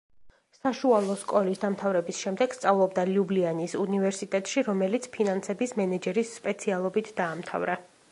საშუალო სკოლის დამთავრების შემდეგ სწავლობდა ლიუბლიანის უნივერსიტეტში, რომელიც ფინანსების მენეჯერის სპეციალობით დაამთავრა.